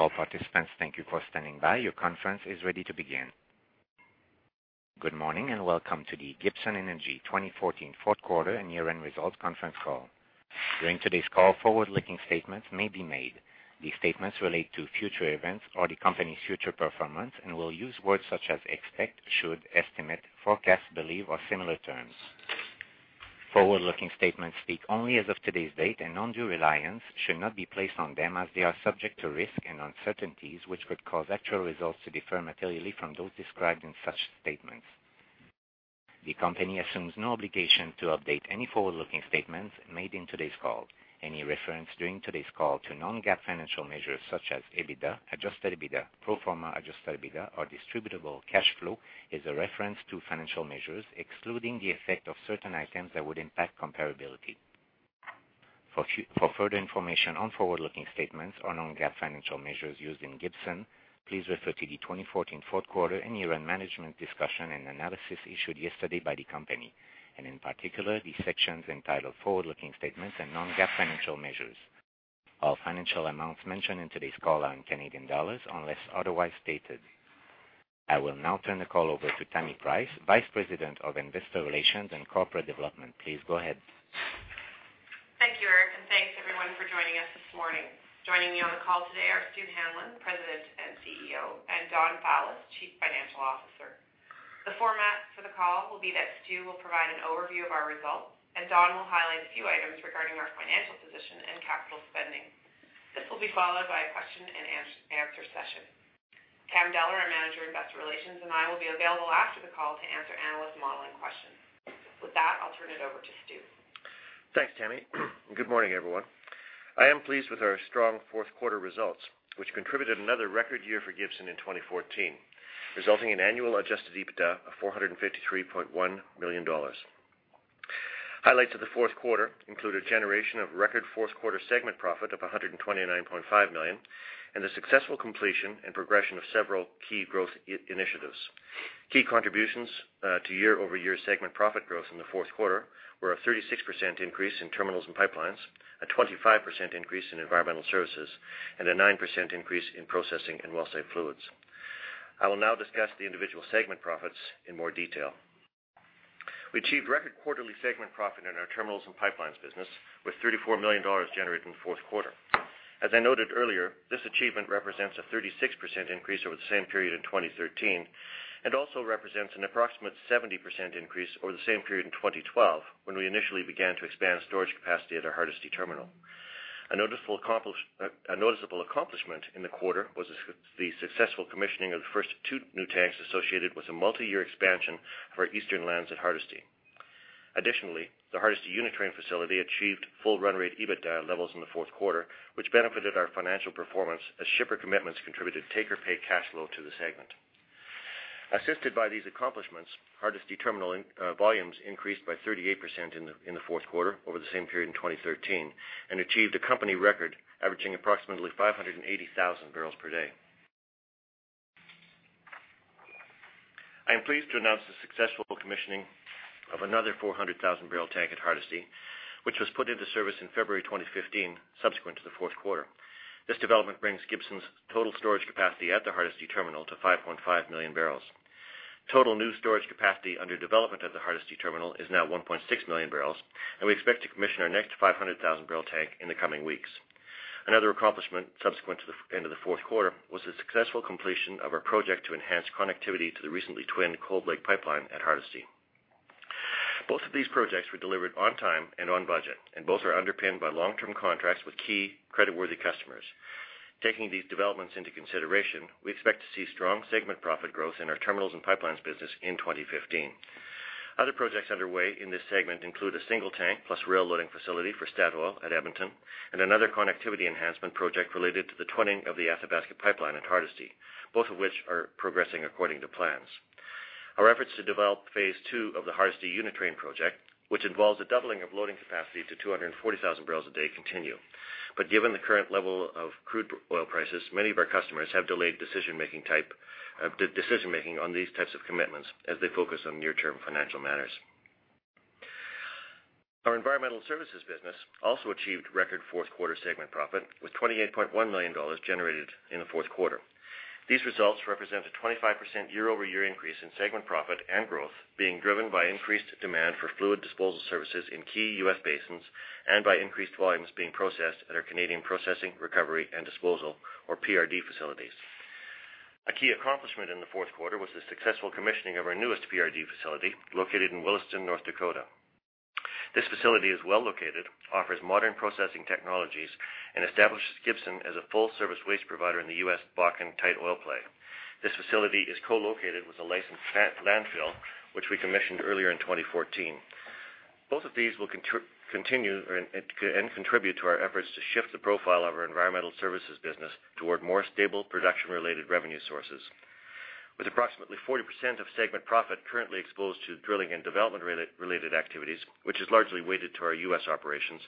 Good morning and welcome to the Gibson Energy 2014 fourth quarter and year-end results conference call. During today's call, forward-looking statements may be made. These statements relate to future events or the company's future performance and will use words such as expect, should, estimate, forecast, believe, or similar terms. Forward-looking statements speak only as of today's date, and undue reliance should not be placed on them as they are subject to risk and uncertainties, which could cause actual results to differ materially from those described in such statements. The company assumes no obligation to update any forward-looking statements made in today's call. Any reference during today's call to non-GAAP financial measures such as EBITDA, adjusted EBITDA, pro forma adjusted EBITDA, or distributable cash flow is a reference to financial measures excluding the effect of certain items that would impact comparability. For further information on forward-looking statements or non-GAAP financial measures used in Gibson, please refer to the 2014 fourth quarter and year-end management discussion and analysis issued yesterday by the company, and in particular, the sections entitled Forward-Looking Statements and Non-GAAP Financial Measures. All financial amounts mentioned in today's call are in Canadian dollars, unless otherwise stated. I will now turn the call over to Tammi Price, Vice President of Investor Relations and Corporate Development. Please go ahead. Thank you, Eric, and thanks everyone for joining us this morning. Joining me on the call today are Stew Hanlon, President and CEO, and Don Fowlis, Chief Financial Officer. The format for the call will be that Stew will provide an overview of our results, and Don will highlight a few items regarding our financial position and capital spending. This will be followed by a question and answer session. Cam Deller, our Manager of Investor Relations, and I will be available after the call to answer analyst modeling questions. With that, I'll turn it over to Stew. Thanks, Tammi. Good morning, everyone. I am pleased with our strong fourth quarter results, which contributed another record year for Gibson in 2014, resulting in annual adjusted EBITDA of 453.1 million dollars. Highlights of the fourth quarter include a generation of record fourth quarter segment profit of 129.5 million, and the successful completion and progression of several key growth initiatives. Key contributions to year-over-year segment profit growth in the fourth quarter were a 36% increase in terminals and pipelines, a 25% increase in environmental services, and a 9% increase in processing and wellsite fluids. I will now discuss the individual segment profits in more detail. We achieved record quarterly segment profit in our terminals and pipelines business with 34 million dollars generated in the fourth quarter. As I noted earlier, this achievement represents a 36% increase over the same period in 2013, and also represents an approximate 70% increase over the same period in 2012, when we initially began to expand storage capacity at our Hardisty terminal. A noticeable accomplishment in the quarter was the successful commissioning of the first two new tanks associated with a multi-year expansion of our eastern lands at Hardisty. Additionally, the Hardisty unit train facility achieved full run rate EBITDA levels in the fourth quarter, which benefited our financial performance as shipper commitments contributed take-or-pay cash flow to the segment. Assisted by these accomplishments, Hardisty terminal volumes increased by 38% in the fourth quarter over the same period in 2013 and achieved a company record averaging approximately 580,000 bbl per day. I am pleased to announce the successful commissioning of another 400,000 bbl tank at Hardisty, which was put into service in February 2015, subsequent to the fourth quarter. This development brings Gibson's total storage capacity at the Hardisty terminal to 5.5 million bbl. Total new storage capacity under development at the Hardisty terminal is now 1.6 million bbl, and we expect to commission our next 500,000 bbl tank in the coming weeks. Another accomplishment subsequent to the end of the fourth quarter was the successful completion of our project to enhance connectivity to the recently twinned Cold Lake pipeline at Hardisty. Both of these projects were delivered on time and on budget, and both are underpinned by long-term contracts with key creditworthy customers. Taking these developments into consideration, we expect to see strong segment profit growth in our terminals and pipelines business in 2015. Other projects underway in this segment include a single tank plus rail loading facility for Statoil at Edmonton and another connectivity enhancement project related to the twinning of the Athabasca pipeline at Hardisty, both of which are progressing according to plans. Our efforts to develop phase two of the Hardisty unit train project, which involves a doubling of loading capacity to 240,000 bbl a day, continue. Given the current level of crude oil prices, many of our customers have delayed decision-making on these types of commitments as they focus on near-term financial matters. Our environmental services business also achieved record fourth quarter segment profit, with 28.1 million dollars generated in the fourth quarter. These results represent a 25% year-over-year increase in segment profit and growth being driven by increased demand for fluid disposal services in key U.S. basins and by increased volumes being processed at our Canadian processing, recovery, and disposal, or PRD, facilities. A key accomplishment in the fourth quarter was the successful commissioning of our newest PRD facility located in Williston, North Dakota. This facility is well-located, offers modern processing technologies, and establishes Gibson as a full-service waste provider in the U.S. Bakken tight oil play. This facility is co-located with a licensed landfill, which we commissioned earlier in 2014. Both of these will continue and contribute to our efforts to shift the profile of our environmental services business toward more stable production-related revenue sources. With approximately 40% of segment profit currently exposed to drilling and development-related activities, which is largely weighted to our U.S. operations,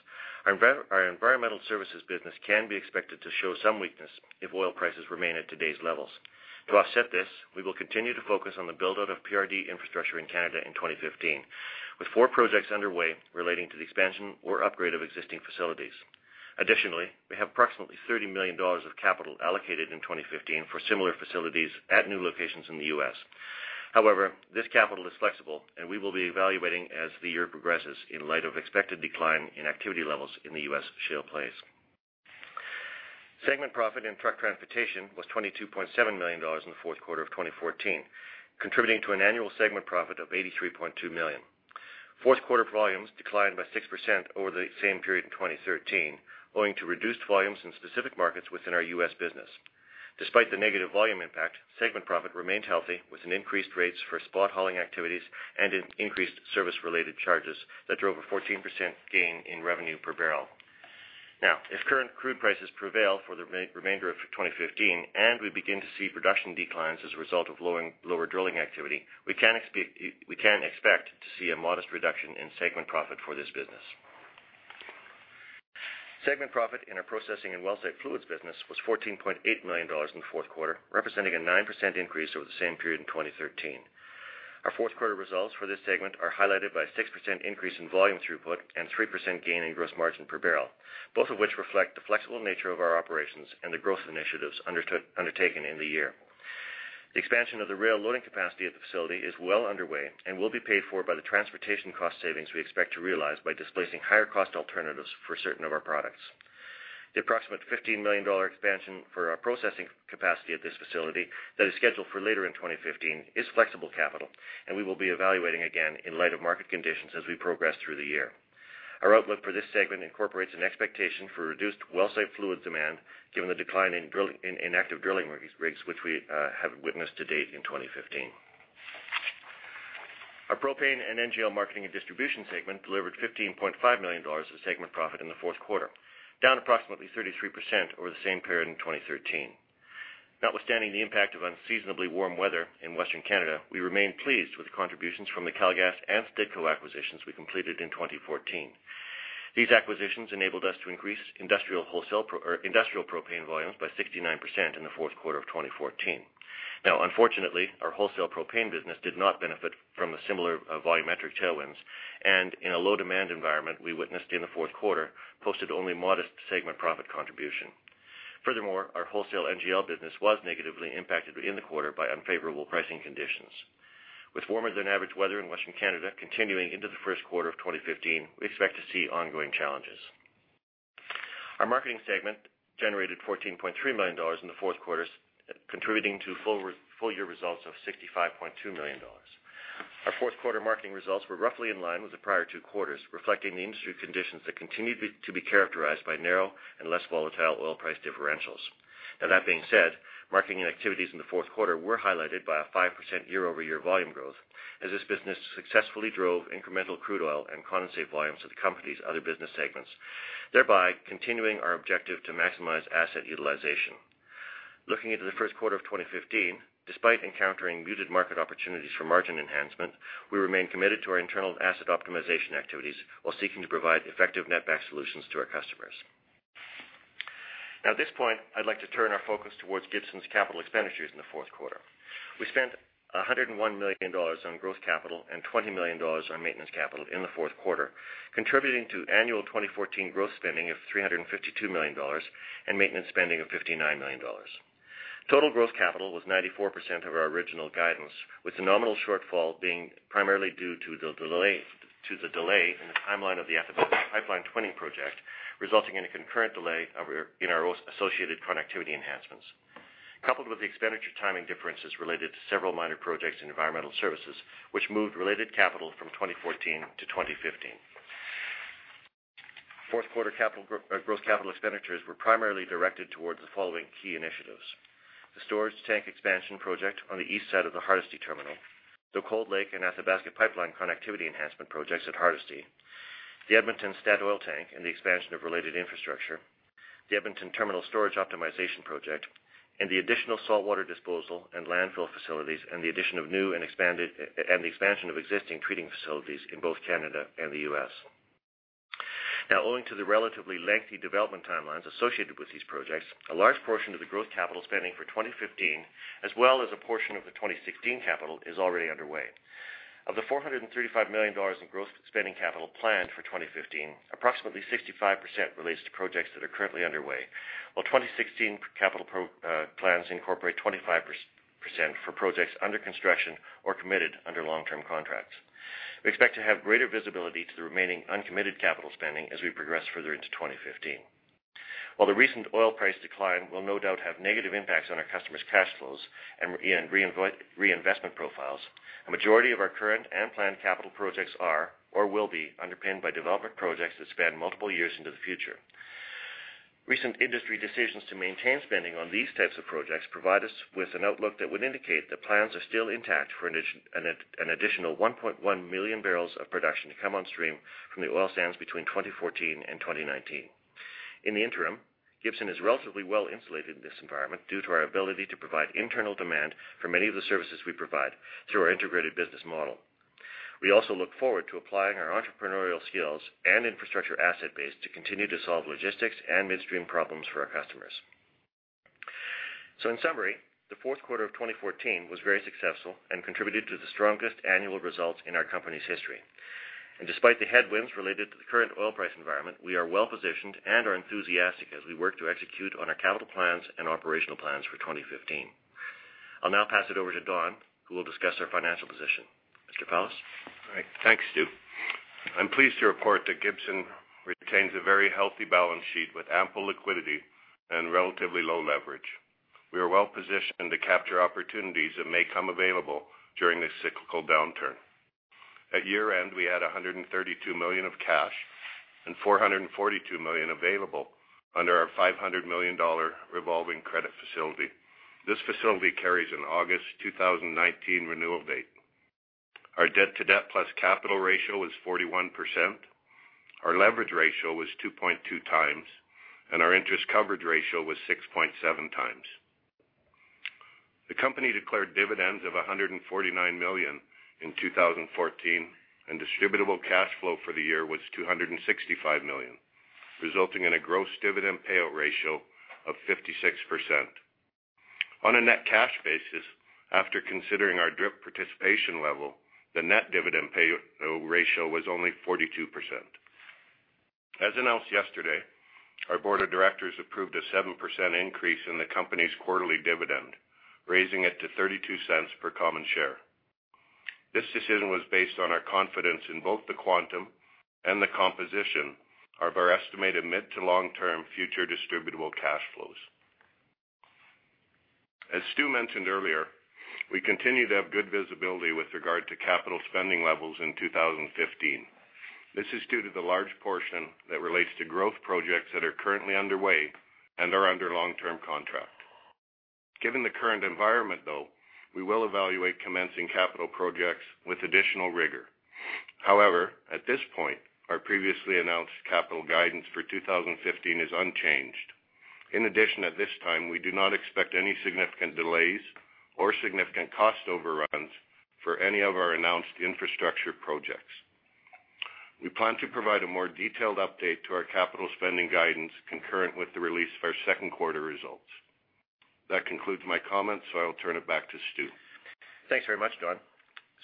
our environmental services business can be expected to show some weakness if oil prices remain at today's levels. To offset this, we will continue to focus on the build-out of PRD infrastructure in Canada in 2015, with four projects underway relating to the expansion or upgrade of existing facilities. Additionally, we have approximately 30 million dollars of capital allocated in 2015 for similar facilities at new locations in the U.S. However, this capital is flexible, and we will be evaluating as the year progresses in light of expected decline in activity levels in the U.S. shale plays. Segment profit in truck transportation was 22.7 million dollars in the fourth quarter of 2014, contributing to an annual segment profit of 83.2 million. Fourth quarter volumes declined by 6% over the same period in 2013, owing to reduced volumes in specific markets within our U.S. business. Despite the negative volume impact, segment profit remained healthy, with increased rates for spot hauling activities and increased service-related charges that drove a 14% gain in revenue per barrel. If current crude prices prevail for the remainder of 2015, and we begin to see production declines as a result of lower drilling activity, we can expect to see a modest reduction in segment profit for this business. Segment profit in our processing and wellsite fluids business was 14.8 million dollars in the fourth quarter, representing a 9% increase over the same period in 2013. Our fourth quarter results for this segment are highlighted by a 6% increase in volume throughput and 3% gain in gross margin per barrel, both of which reflect the flexible nature of our operations and the growth initiatives undertaken in the year. The expansion of the rail loading capacity at the facility is well underway and will be paid for by the transportation cost savings we expect to realize by displacing higher cost alternatives for certain of our products. The approximate 15 million dollar expansion for our processing capacity at this facility that is scheduled for later in 2015 is flexible capital, and we will be evaluating again in light of market conditions as we progress through the year. Our outlook for this segment incorporates an expectation for reduced wellsite fluid demand given the decline in active drilling rigs, which we have witnessed to date in 2015. Our propane and NGL marketing and distribution segment delivered 15.5 million dollars of segment profit in the fourth quarter, down approximately 33% over the same period in 2013. Notwithstanding the impact of unseasonably warm weather in Western Canada, we remain pleased with the contributions from the Cal-Gas and Stittco acquisitions we completed in 2014. These acquisitions enabled us to increase industrial propane volumes by 69% in the fourth quarter of 2014. Now, unfortunately, our wholesale propane business did not benefit from the similar volumetric tailwinds, and in a low-demand environment we witnessed in the fourth quarter, posted only modest segment profit contribution. Furthermore, our wholesale NGL business was negatively impacted in the quarter by unfavorable pricing conditions. With warmer than average weather in Western Canada continuing into the first quarter of 2015, we expect to see ongoing challenges. Our Marketing segment generated 14.3 million dollars in the fourth quarter, contributing to full-year results of 65.2 million dollars. Our fourth quarter Marketing results were roughly in line with the prior two quarters, reflecting the industry conditions that continued to be characterized by narrow and less volatile oil price differentials. Now, that being said, Marketing activities in the fourth quarter were highlighted by a 5% year-over-year volume growth, as this business successfully drove incremental crude oil and condensate volumes to the company's other business segments, thereby continuing our objective to maximize asset utilization. Looking into the first quarter of 2015, despite encountering muted market opportunities for margin enhancement, we remain committed to our internal asset optimization activities while seeking to provide effective netback solutions to our customers. Now, at this point, I'd like to turn our focus towards Gibson's capital expenditures in the fourth quarter. We spent 101 million dollars on growth capital and 20 million dollars on maintenance capital in the fourth quarter, contributing to annual 2014 growth spending of 352 million dollars and maintenance spending of 59 million dollars. Total growth capital was 94% of our original guidance, with the nominal shortfall being primarily due to the delay in the timeline of the Athabasca Pipeline Twinning project, resulting in a concurrent delay in our associated connectivity enhancements, coupled with the expenditure timing differences related to several minor projects in environmental services, which moved related capital from 2014 to 2015. Fourth quarter growth capital expenditures were primarily directed towards the following key initiatives. The storage tank expansion project on the east side of the Hardisty Terminal, the Cold Lake and Athabasca pipeline connectivity enhancement projects at Hardisty, the Edmonton Statoil tank and the expansion of related infrastructure, the Edmonton terminal storage optimization project, and the additional saltwater disposal and landfill facilities and the addition of new and the expansion of existing treating facilities in both Canada and the U.S. Owing to the relatively lengthy development timelines associated with these projects, a large portion of the growth capital spending for 2015, as well as a portion of the 2016 capital, is already underway. Of the 435 million dollars in growth spending capital planned for 2015, approximately 65% relates to projects that are currently underway, while 2016 capital plans incorporate 25% for projects under construction or committed under long-term contracts. We expect to have greater visibility to the remaining uncommitted capital spending as we progress further into 2015. While the recent oil price decline will no doubt have negative impacts on our customers' cash flows and reinvestment profiles, a majority of our current and planned capital projects are or will be underpinned by development projects that span multiple years into the future. Recent industry decisions to maintain spending on these types of projects provide us with an outlook that would indicate that plans are still intact for an additional 1.1 million barrels of production to come on stream from the oil sands between 2014 and 2019. In the interim, Gibson is relatively well insulated in this environment due to our ability to provide internal demand for many of the services we provide through our integrated business model. We also look forward to applying our entrepreneurial skills and infrastructure asset base to continue to solve logistics and midstream problems for our customers. In summary, the fourth quarter of 2014 was very successful and contributed to the strongest annual results in our company's history. Despite the headwinds related to the current oil price environment, we are well-positioned and are enthusiastic as we work to execute on our capital plans and operational plans for 2015. I'll now pass it over to Don, who will discuss our financial position. Mr. Fowlis? All right. Thanks, Stew. I'm pleased to report that Gibson retains a very healthy balance sheet with ample liquidity and relatively low leverage. We are well-positioned to capture opportunities that may come available during this cyclical downturn. At year-end, we had 132 million of cash and 442 million available under our 500 million dollar revolving credit facility. This facility carries an August 2019 renewal date. Our debt-to-debt plus capital ratio was 41%, our leverage ratio was 2.2x, and our interest coverage ratio was 6.7x. The company declared dividends of 149 million in 2014, and distributable cash flow for the year was 265 million, resulting in a gross dividend payout ratio of 56%. On a net cash basis, after considering our DRIP participation level, the net dividend payout ratio was only 42%. As announced yesterday, our board of directors approved a 7% increase in the company's quarterly dividend, raising it to 0.32 per common share. This decision was based on our confidence in both the quantum and the composition of our estimated mid- to long-term future distributable cash flows. As Stew mentioned earlier, we continue to have good visibility with regard to capital spending levels in 2015. This is due to the large portion that relates to growth projects that are currently underway and are under long-term contract. Given the current environment, though, we will evaluate commencing capital projects with additional rigor. However, at this point, our previously announced capital guidance for 2015 is unchanged. In addition, at this time, we do not expect any significant delays or significant cost overruns for any of our announced infrastructure projects. We plan to provide a more detailed update to our capital spending guidance concurrent with the release of our second quarter results. That concludes my comments, so I will turn it back to Stew. Thanks very much, Don.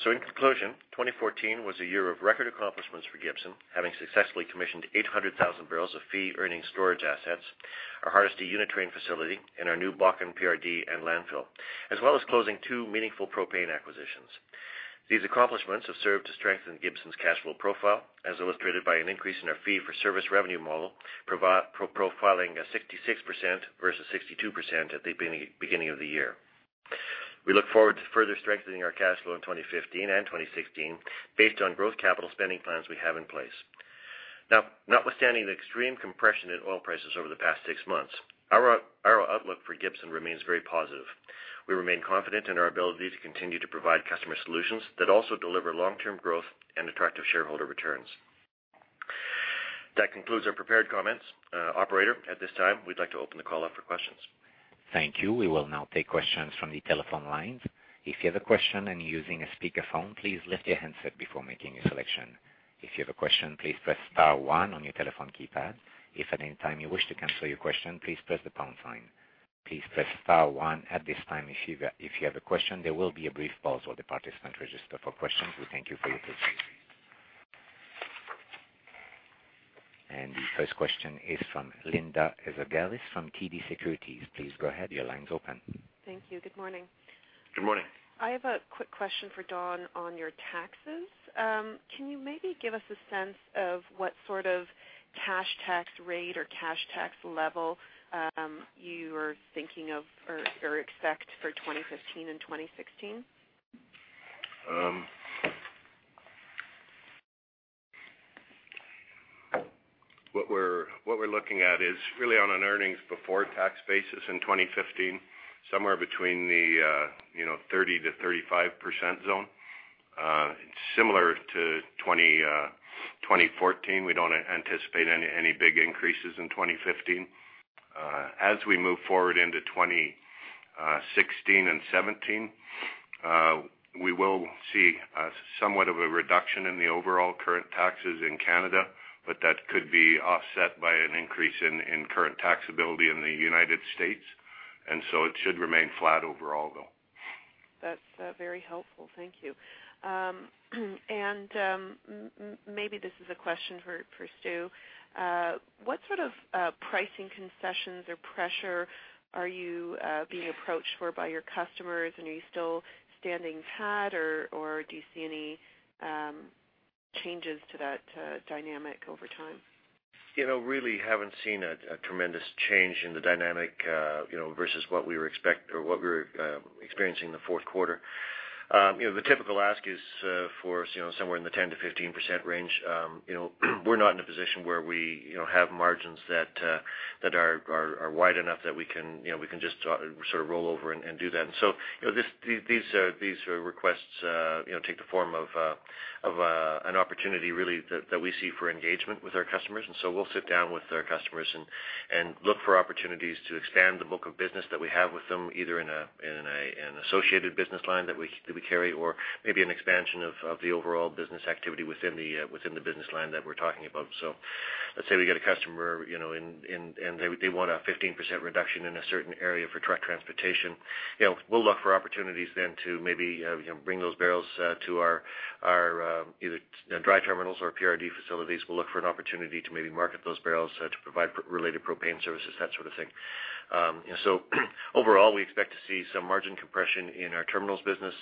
In conclusion, 2014 was a year of record accomplishments for Gibson, having successfully commissioned 800,000 bbl of fee-earning storage assets, our Hardisty unit train facility, and our new Bakken PRD and landfill, as well as closing two meaningful propane acquisitions. These accomplishments have served to strengthen Gibson's cash flow profile, as illustrated by an increase in our fee-for-service revenue model, profiling at 66% versus 62% at the beginning of the year. We look forward to further strengthening our cash flow in 2015 and 2016 based on growth capital spending plans we have in place. Now, notwithstanding the extreme compression in oil prices over the past six months, our outlook for Gibson remains very positive. We remain confident in our ability to continue to provide customer solutions that also deliver long-term growth and attractive shareholder returns. That concludes our prepared comments. Operator, at this time, we'd like to open the call up for questions. Thank you. We will now take questions from the telephone lines. If you have a question and you're using a speakerphone, please lift your handset before making a selection. If you have a question, please press star 1 on your telephone keypad. If at any time you wish to cancel your question, please press the pound sign. Please press star 1 at this time if you have a question. There will be a brief pause while the participants register for questions. We thank you for your patience. The first question is from Linda Ezergailis from TD Securities. Please go ahead, your line's open. Thank you. Good morning. Good morning. I have a quick question for Don on your taxes. Can you maybe give us a sense of what sort of cash tax rate or cash tax level you are thinking of or expect for 2015 and 2016? What we're looking at is really on an earnings before tax basis in 2015, somewhere between the 30%-35% zone. Similar to 2014, we don't anticipate any big increases in 2015. As we move forward into 2016 and 2017, we will see somewhat of a reduction in the overall current taxes in Canada, but that could be offset by an increase in current taxability in the United States. It should remain flat overall, though. That's very helpful. Thank you. Maybe this is a question for Stew. What sort of pricing concessions or pressure are you being approached for by your customers, and are you still standing pat, or do you see any changes to that dynamic over time? Really haven't seen a tremendous change in the dynamic versus what we were experiencing in the fourth quarter. The typical ask is for us somewhere in the 10%-15% range. We're not in a position where we have margins that are wide enough that we can just sort of roll over and do that. These requests take the form of an opportunity, really, that we see for engagement with our customers. We'll sit down with our customers and look for opportunities to expand the book of business that we have with them, either in an associated business line that we carry or maybe an expansion of the overall business activity within the business line that we're talking about. Let's say we get a customer, and they want a 15% reduction in a certain area for truck transportation. We'll look for opportunities then to maybe bring those barrels to our either dry terminals or PRD facilities. We'll look for an opportunity to maybe market those barrels to provide related propane services, that sort of thing. Overall, we expect to see some margin compression in our terminals business.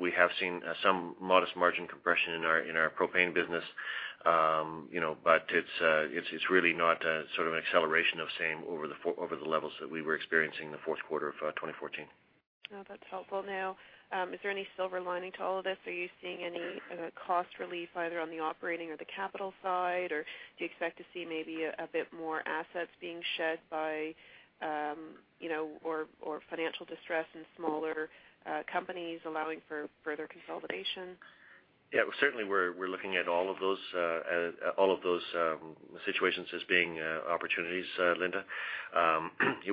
We have seen some modest margin compression in our propane business. It's really not a sort of an acceleration of same over the levels that we were experiencing in the fourth quarter of 2014. No, that's helpful. Now, is there any silver lining to all of this? Are you seeing any cost relief either on the operating or the capital side? Or do you expect to see maybe a bit more assets being shed, or financial distress in smaller companies allowing for further consolidation? Yeah, certainly we're looking at all of those situations as being opportunities, Linda.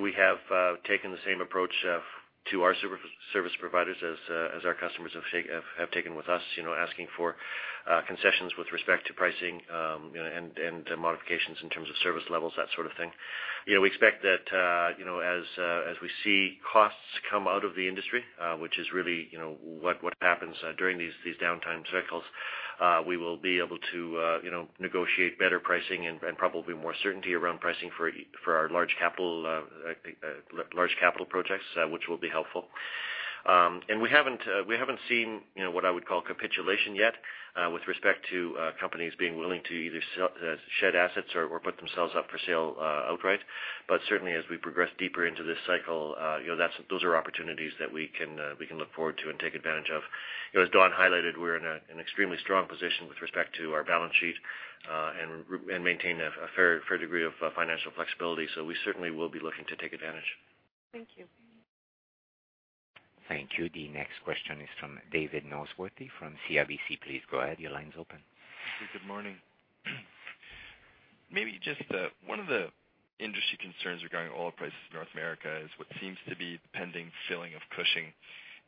We have taken the same approach to our service providers as our customers have taken with us, asking for concessions with respect to pricing and modifications in terms of service levels, that sort of thing. We expect that as we see costs come out of the industry, which is really what happens during these downtime cycles, we will be able to negotiate better pricing and probably more certainty around pricing for our large capital projects, which will be helpful. We haven't seen what I would call capitulation yet with respect to companies being willing to either shed assets or put themselves up for sale outright. Certainly, as we progress deeper into this cycle, those are opportunities that we can look forward to and take advantage of. As Don highlighted, we're in an extremely strong position with respect to our balance sheet and maintain a fair degree of financial flexibility. We certainly will be looking to take advantage. Thank you. Thank you. The next question is from David Noseworthy from CIBC. Please go ahead. Your line's open. Good morning. Maybe just one of the industry concerns regarding oil prices in North America is what seems to be the pending filling of Cushing.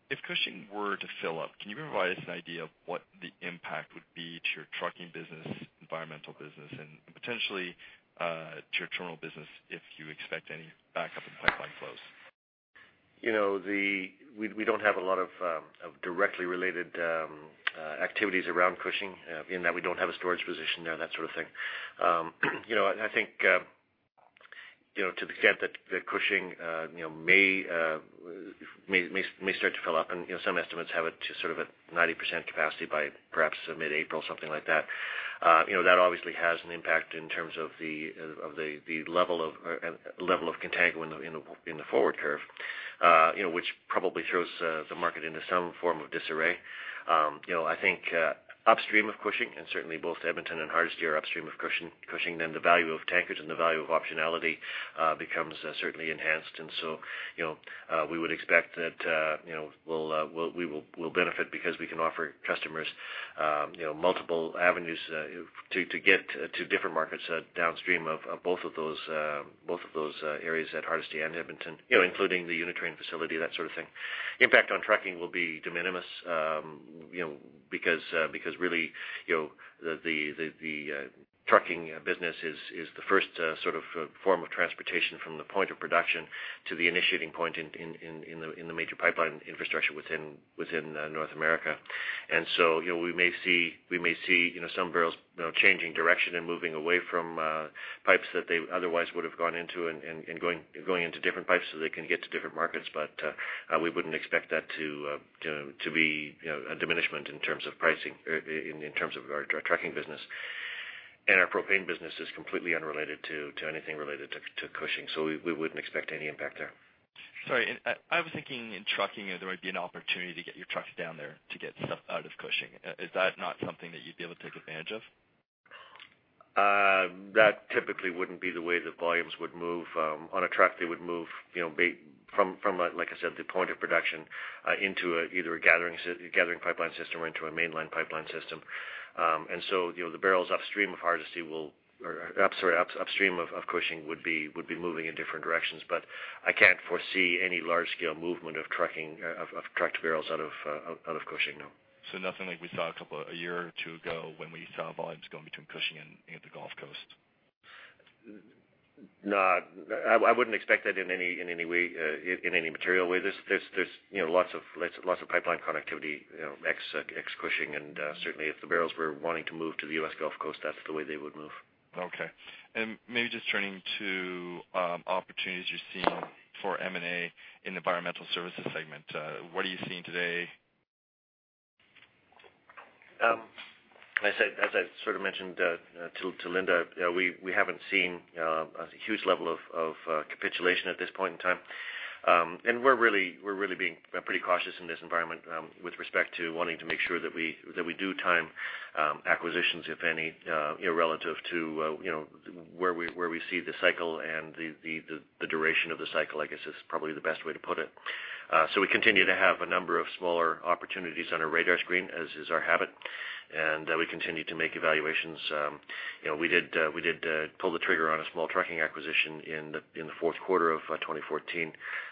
If Cushing were to fill up, can you provide us an idea of what the impact would be to your trucking business, environmental business, and potentially to your terminal business, if you expect any backup in pipeline flows? We don't have a lot of directly related activities around Cushing in that we don't have a storage position there, that sort of thing. I think to the extent that Cushing may start to fill up and some estimates have it to sort of a 90% capacity by perhaps mid-April, something like that. That obviously has an impact in terms of the level of contango in the forward curve which probably throws the market into some form of disarray. I think upstream of Cushing, and certainly both Edmonton and Hardisty are upstream of Cushing, then the value of tankers and the value of optionality becomes certainly enhanced. We would expect that we'll benefit because we can offer customers multiple avenues to get to different markets downstream of both of those areas at Hardisty and Edmonton including the unit train facility, that sort of thing. Impact on trucking will be de minimis because really, the trucking business is the first sort of form of transportation from the point of production to the initiating point in the major pipeline infrastructure within North America. We may see some barrels changing direction and moving away from pipes that they otherwise would have gone into and going into different pipes so they can get to different markets. We wouldn't expect that to be a diminishment in terms of pricing, in terms of our trucking business. Our propane business is completely unrelated to anything related to Cushing, so we wouldn't expect any impact there. Sorry, I was thinking in trucking, there might be an opportunity to get your trucks down there to get stuff out of Cushing. Is that not something that you'd be able to take advantage of? That typically wouldn't be the way the volumes would move. On a truck, they would move from, like I said, the point of production into either a gathering pipeline system or into a mainland pipeline system. The barrels upstream of Cushing would be moving in different directions. I can't foresee any large-scale movement of trucked barrels out of Cushing, no. Nothing like we saw a year or two ago when we saw volumes going between Cushing and the Gulf Coast? No. I wouldn't expect that in any material way. There's lots of pipeline connectivity ex-Cushing, and certainly if the barrels were wanting to move to the U.S. Gulf Coast, that's the way they would move. Okay. Maybe just turning to opportunities you're seeing for M&A in the environmental services segment. What are you seeing today? As I sort of mentioned to Linda, we haven't seen a huge level of capitulation at this point in time. We're really being pretty cautious in this environment with respect to wanting to make sure that we do time acquisitions, if any, relative to where we see the cycle and the duration of the cycle, I guess, is probably the best way to put it. We continue to have a number of smaller opportunities on our radar screen, as is our habit. We continue to make evaluations. We did pull the trigger on a small trucking acquisition in the fourth quarter of 2014.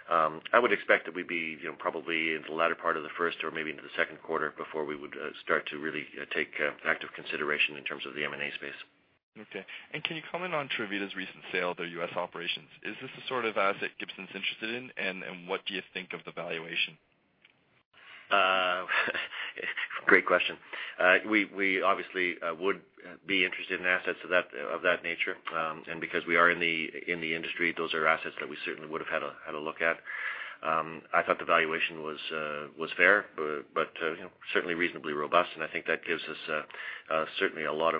I would expect that we'd be probably in the latter part of the first or maybe into the second quarter before we would start to really take active consideration in terms of the M&A space. Okay. Can you comment on Tervita's recent sale of their U.S. operations? Is this the sort of asset Gibson's interested in, and what do you think of the valuation? Great question. We obviously would be interested in assets of that nature. Because we are in the industry, those are assets that we certainly would've had a look at. I thought the valuation was fair, but certainly reasonably robust, and I think that gives us certainly a lot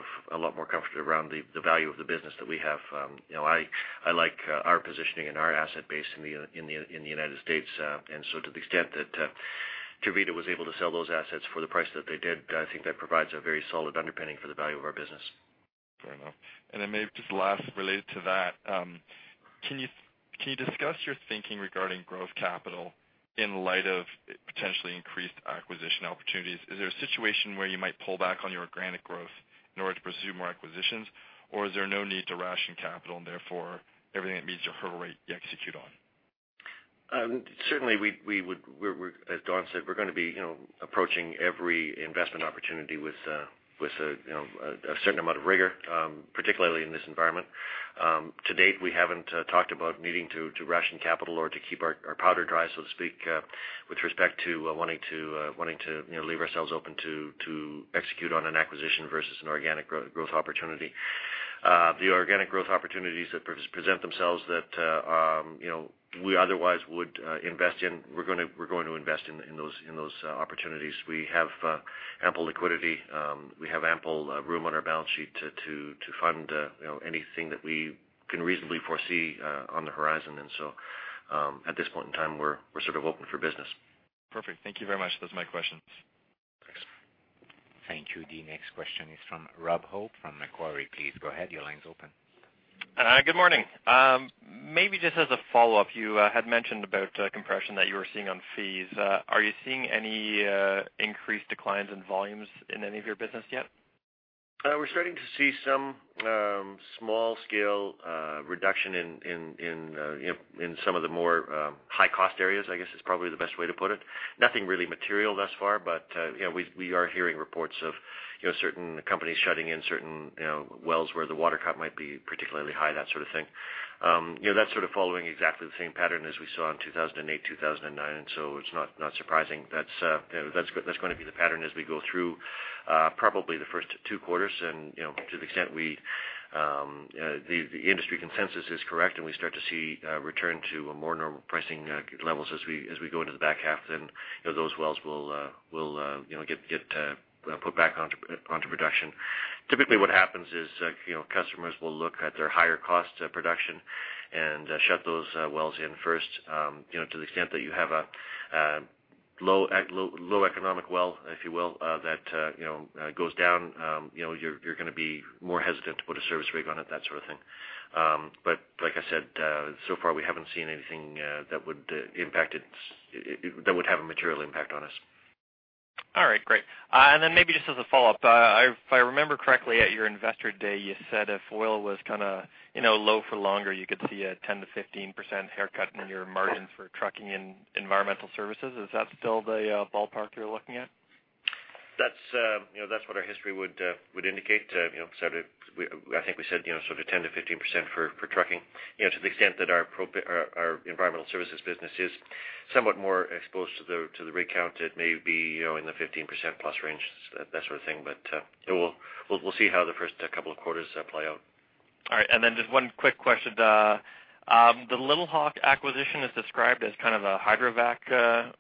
more comfort around the value of the business that we have. I like our positioning and our asset base in the United States. To the extent that Tervita was able to sell those assets for the price that they did, I think that provides a very solid underpinning for the value of our business. Fair enough. Maybe just last, related to that, can you discuss your thinking regarding growth capital in light of potentially increased acquisition opportunities? Is there a situation where you might pull back on your organic growth in order to pursue more acquisitions? Or is there no need to ration capital and therefore everything that meets your hurdle rate you execute on? Certainly we would. As Don said, we're going to be approaching every investment opportunity with a certain amount of rigor, particularly in this environment. To date, we haven't talked about needing to ration capital or to keep our powder dry, so to speak, with respect to wanting to leave ourselves open to execute on an acquisition versus an organic growth opportunity. The organic growth opportunities that present themselves that we otherwise would invest in, we're going to invest in those opportunities. We have ample liquidity. We have ample room on our balance sheet to fund anything that we can reasonably foresee on the horizon. At this point in time, we're sort of open for business. Perfect. Thank you very much. Those are my questions. Thanks. Thank you. The next question is from Rob Hope from Macquarie. Please go ahead. Your line's open. Good morning. Maybe just as a follow-up, you had mentioned about compression that you were seeing on fees. Are you seeing any increased declines in volumes in any of your business yet? We're starting to see some small-scale reduction in some of the more high-cost areas, I guess, is probably the best way to put it. Nothing really material thus far, but we are hearing reports of certain companies shutting in certain wells where the water cut might be particularly high, that sort of thing. That's sort of following exactly the same pattern as we saw in 2008, 2009, and so it's not surprising. That's going to be the pattern as we go through probably the first two quarters. To the extent the industry consensus is correct and we start to see a return to more normal pricing levels as we go into the back half, then those wells will get put back onto production. Typically, what happens is customers will look at their higher cost to production and shut those wells in first. To the extent that you have a low economic well, if you will, that goes down, you're going to be more hesitant to put a service rig on it, that sort of thing. But like I said, so far we haven't seen anything that would have a material impact on us. All right, great. Maybe just as a follow-up, if I remember correctly, at your Investor Day, you said if oil was kind of low for longer, you could see a 10%-15% haircut in your margin for trucking and environmental services. Is that still the ballpark you're looking at? That's what our history would indicate. I think we said sort of 10%-15% for trucking. To the extent that our environmental services business is somewhat more exposed to the rig count, it may be in the 15%+ All right. Just one quick question. The Littlehawk acquisition is described as kind of a hydrovac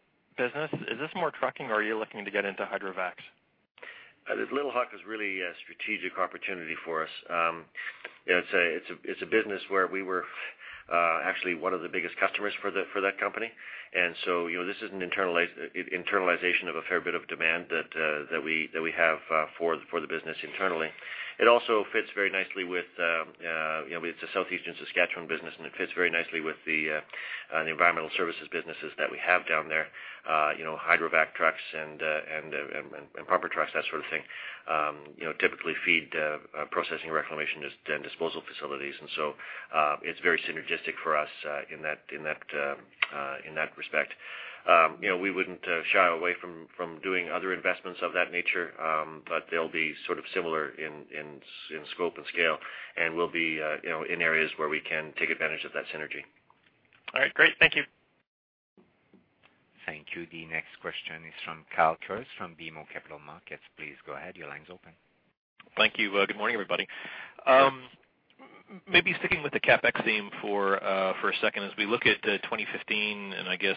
business. Is this more trucking or are you looking to get into hydrovacs? Littlehawk is really a strategic opportunity for us. It's a business where we were actually one of the biggest customers for that company. This is an internalization of a fair bit of demand that we have for the business internally. It's a Southeastern Saskatchewan business, and it fits very nicely with the environmental services businesses that we have down there. Hydrovac trucks and pump trucks, that sort of thing, typically feed processing reclamation and disposal facilities. It's very synergistic for us in that respect. We wouldn't shy away from doing other investments of that nature. They'll be sort of similar in scope and scale, and will be in areas where we can take advantage of that synergy. All right, great. Thank you. Thank you. The next question is from Carl Kirst from BMO Capital Markets. Please go ahead. Your line's open. Thank you. Good morning, everybody. Sure. Maybe sticking with the CapEx theme for a second, as we look at 2015, and I guess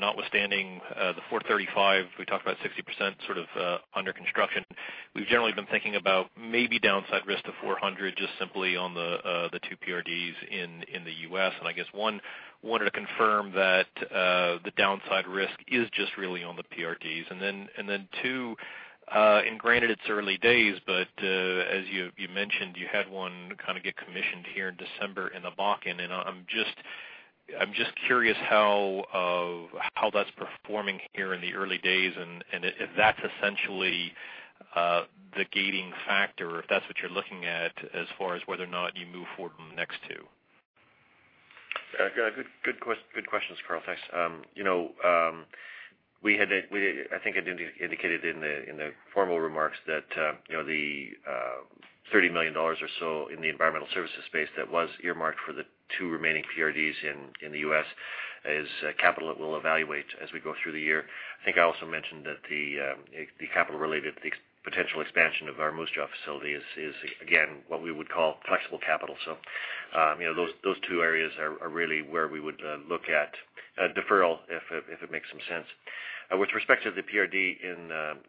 notwithstanding the 435, we talked about 60% sort of under construction. We've generally been thinking about maybe downside risk to 400, just simply on the two PRDs in the U.S. I guess, one, wanted to confirm that the downside risk is just really on the PRDs. Two, and granted it's early days, but as you mentioned, you had one kind of get commissioned here in December in the Bakken. I'm just curious how that's performing here in the early days, and if that's essentially the gating factor or if that's what you're looking at as far as whether or not you move forward on the next two? Good questions, Carl. Thanks. I think I indicated in the formal remarks that the 30 million dollars or so in the environmental services space that was earmarked for the two remaining PRDs in the U.S. is capital that we'll evaluate as we go through the year. I think I also mentioned that the capital related to the potential expansion of our Moose Jaw facility is, again, what we would call flexible capital. Those two areas are really where we would look at deferral if it makes some sense. With respect to the PRD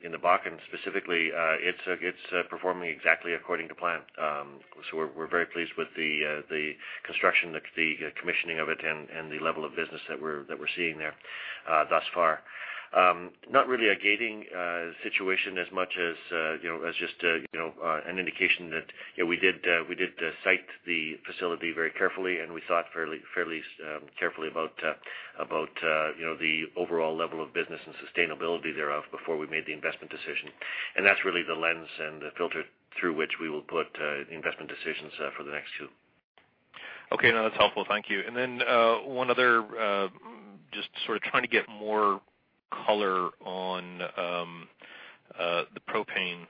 in the Bakken specifically, it's performing exactly according to plan. We're very pleased with the construction, the commissioning of it, and the level of business that we're seeing there thus far. Not really a gating situation as much as just an indication that we did site the facility very carefully, and we thought fairly carefully about the overall level of business and sustainability thereof before we made the investment decision. That's really the lens and the filter through which we will put the investment decisions for the next two. Okay. No, that's helpful. Thank you. One other, just sort of trying to get more color on the propane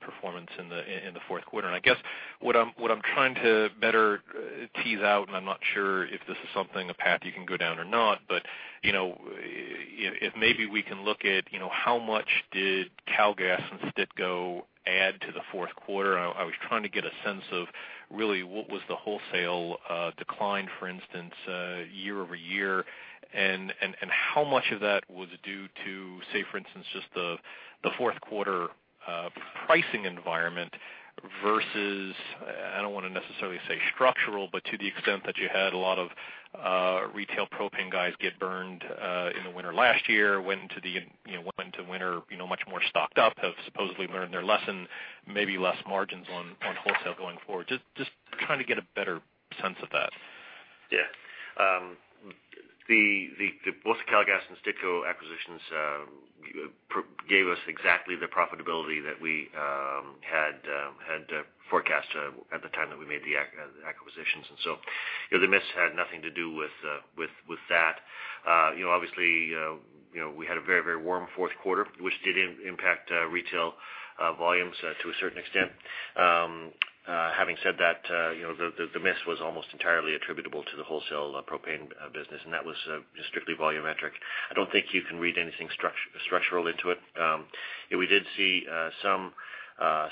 performance in the fourth quarter. I guess what I'm trying to better tease out, and I'm not sure if this is something, a path you can go down or not, but if maybe we can look at how much did Cal-Gas and Stittco add to the fourth quarter. I was trying to get a sense of really what was the wholesale decline, for instance, year-over-year, and how much of that was due to, say, for instance, just the fourth quarter pricing environment versus, I don't want to necessarily say structural, but to the extent that you had a lot of retail propane guys get burned in the winter last year, went into winter much more stocked up, have supposedly learned their lesson, maybe less margins on wholesale going forward. Just trying to get a better sense of that. Yeah. Both the Cal-Gas and Stittco acquisitions gave us exactly the profitability that we had forecast at the time that we made the acquisitions. The miss had nothing to do with that. Obviously, we had a very warm fourth quarter, which did impact retail volumes to a certain extent. Having said that, the miss was almost entirely attributable to the wholesale propane business, and that was just strictly volumetric. I don't think you can read anything structural into it. We did see some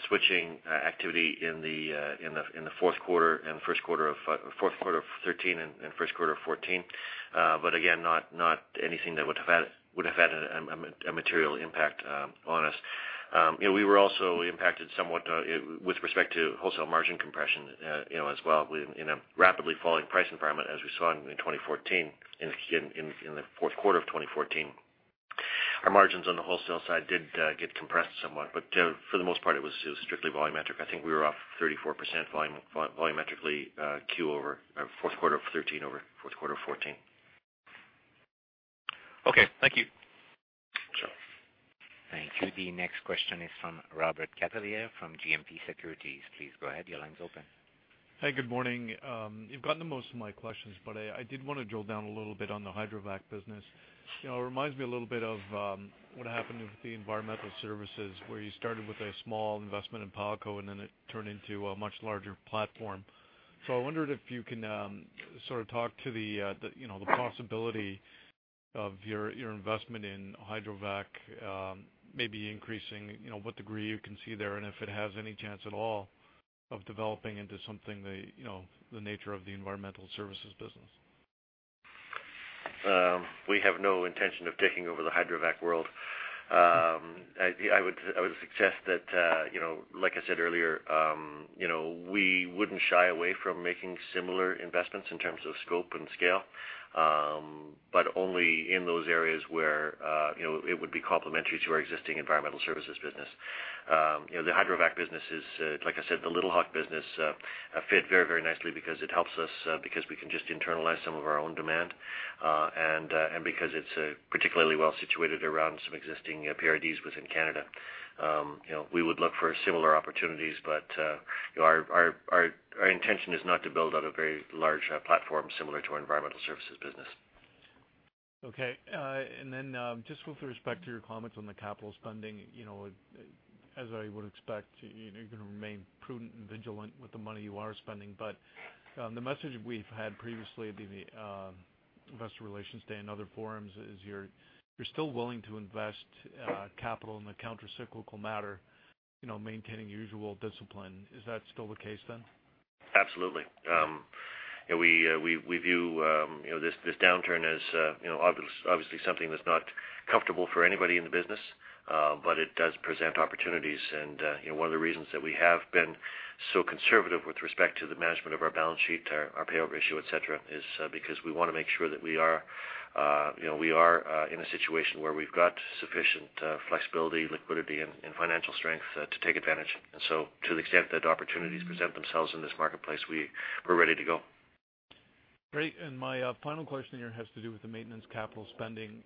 switching activity in the fourth quarter of 2013 and first quarter of 2014. Again, not anything that would have had a material impact on us. We were also impacted somewhat with respect to wholesale margin compression as well. In a rapidly falling price environment as we saw in 2014, in the fourth quarter of 2014, our margins on the wholesale side did get compressed somewhat. For the most part, it was strictly volumetric. I think we were off 34% volumetrically, fourth quarter of 2013 over fourth quarter of 2014. Okay. Thank you. Sure. Thank you. The next question is from Robert Catellier from GMP Securities. Please go ahead. Your line's open. Hey, good morning. You've gotten to most of my questions, but I did want to drill down a little bit on the hydrovac business. It reminds me a little bit of what happened with the environmental services, where you started with a small investment in Palko and then it turned into a much larger platform. I wondered if you can sort of talk to the possibility of your investment in hydrovac maybe increasing, what degree you can see there, and if it has any chance at all of developing into something the nature of the environmental services business. We have no intention of taking over the hydrovac world. I would suggest that like I said earlier, we wouldn't shy away from making similar investments in terms of scope and scale. Only in those areas where it would be complementary to our existing environmental services business. The hydrovac business is, like I said, the Littlehawk business, fit very nicely because it helps us because we can just internalize some of our own demand, and because it's particularly well situated around some existing PRDs within Canada. We would look for similar opportunities, but our intention is not to build out a very large platform similar to our environmental services business. Okay. Just with respect to your comments on the capital spending, as I would expect, you're going to remain prudent and vigilant with the money you are spending. The message we've had previously at the Investor Relations Day and other forums is you're still willing to invest capital in a countercyclical matter, maintaining usual discipline. Is that still the case then? Absolutely. We view this downturn as obviously something that's not comfortable for anybody in the business. It does present opportunities and one of the reasons that we have been so conservative with respect to the management of our balance sheet, our payout ratio, et cetera, is because we want to make sure that we are in a situation where we've got sufficient flexibility, liquidity and financial strength to take advantage. To the extent that opportunities present themselves in this marketplace, we're ready to go. Great. My final question here has to do with the maintenance capital spending.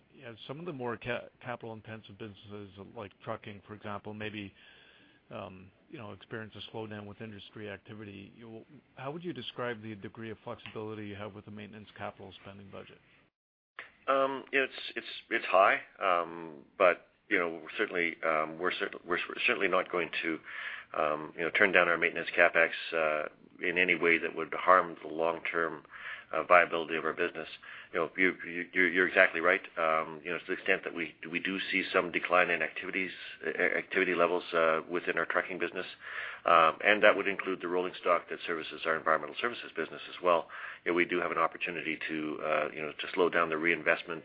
Some of the more capital-intensive businesses like trucking, for example, may experience a slowdown with industry activity. How would you describe the degree of flexibility you have with the maintenance capital spending budget? It's high. We're certainly not going to turn down our maintenance CapEx in any way that would harm the long-term viability of our business. You're exactly right, to the extent that we do see some decline in activity levels within our trucking business. That would include the rolling stock that services our environmental services business as well. We do have an opportunity to slow down the reinvestment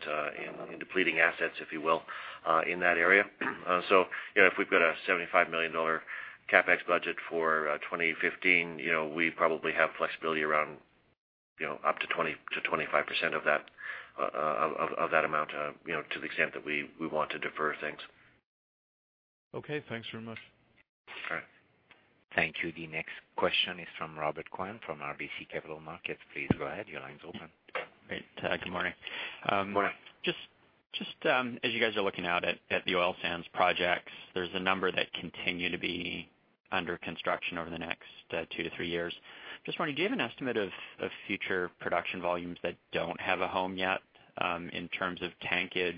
in depleting assets, if you will, in that area. If we've got a 75 million dollar CapEx budget for 2015, we probably have flexibility around up to 20%-25% of that amount, to the extent that we want to defer things. Okay, thanks very much. All right. Thank you. The next question is from Robert Kwan from RBC Capital Markets. Please go ahead. Your line's open. Great. Good morning. Good morning. Just as you guys are looking out at the oil sands projects, there's a number that continue to be under construction over the next two to three years. Just wondering, do you have an estimate of future production volumes that don't have a home yet in terms of tankage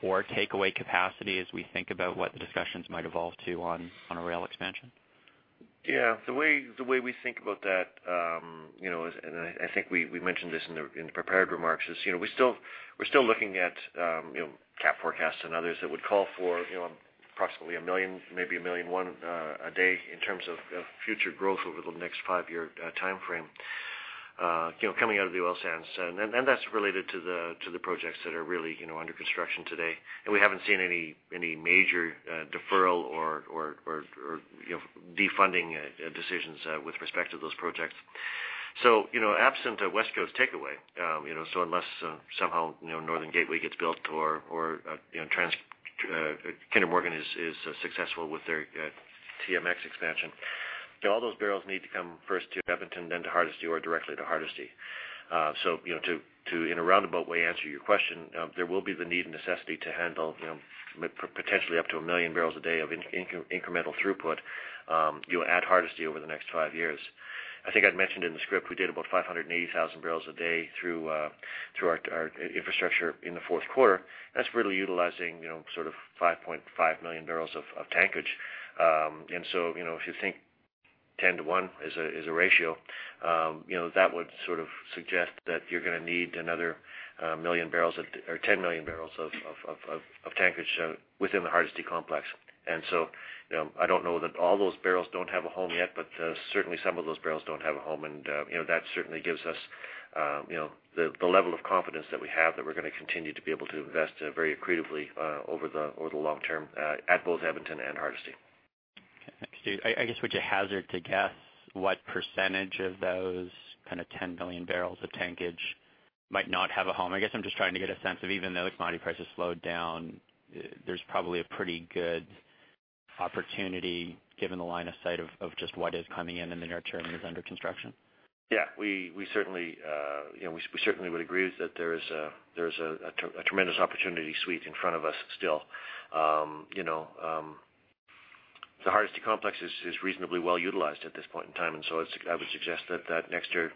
or takeaway capacity as we think about what the discussions might evolve to on a rail expansion? Yeah. The way we think about that, and I think we mentioned this in the prepared remarks, is we're still looking at CAPP forecasts and others that would call for approximately 1 million, maybe 1.1 million a day in terms of future growth over the next five-year timeframe coming out of the oil sands. That's related to the projects that are really under construction today. We haven't seen any major deferral or defunding decisions with respect to those projects. Absent a West Coast takeaway, so unless somehow Northern Gateway gets built or Kinder Morgan is successful with their TMX expansion, all those barrels need to come first to Edmonton, then to Hardisty or directly to Hardisty. To, in a roundabout way, answer your question, there will be the need and necessity to handle potentially up to 1 MMbpd of incremental throughput at Hardisty over the next five years. I think I'd mentioned in the script, we did about 580,000 bbl a day through our infrastructure in the fourth quarter. That's really utilizing sort of 5.5 million bbl of tankage. If you think 10:1 is a ratio, that would sort of suggest that you're going to need another 10 million bbl of tankage within the Hardisty complex. I don't know that all those barrels don't have a home yet, but certainly some of those barrels don't have a home, and that certainly gives us the level of confidence that we have that we're going to continue to be able to invest very accretively over the long term at both Edmonton and Hardisty. Okay, thanks. I guess, would you hazard to guess what percentage of those 10 million barrels of tankage might not have a home? I guess I'm just trying to get a sense of, even though the commodity price has slowed down, there's probably a pretty good opportunity given the line of sight of just what is coming in in the near term and is under construction. Yeah. We certainly would agree that there is a tremendous opportunity suite in front of us still. The Hardisty complex is reasonably well utilized at this point in time, and so I would suggest that extra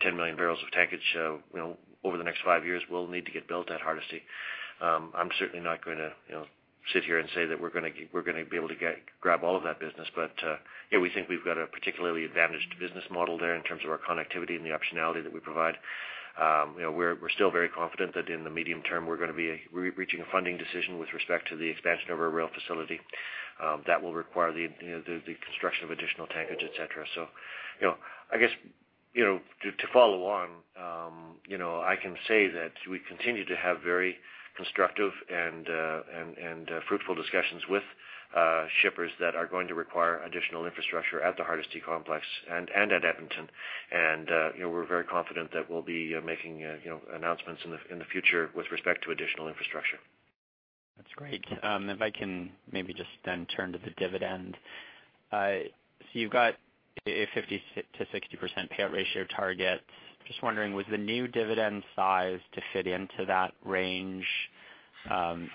10 million barrels of tankage over the next five years will need to get built at Hardisty. I'm certainly not going to sit here and say that we're going to be able to grab all of that business, but we think we've got a particularly advantaged business model there in terms of our connectivity and the optionality that we provide. We're still very confident that in the medium term, we're going to be reaching a funding decision with respect to the expansion of our rail facility. That will require the construction of additional tankage, et cetera. I guess, to follow on, I can say that we continue to have very constructive and fruitful discussions with shippers that are going to require additional infrastructure at the Hardisty complex and at Edmonton. We're very confident that we'll be making announcements in the future with respect to additional infrastructure. That's great. If I can maybe just then turn to the dividend. You've got a 50%-60% payout ratio target. Just wondering, was the new dividend sized to fit into that range?